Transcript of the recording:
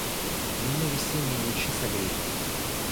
Меня весенние лучи согрели.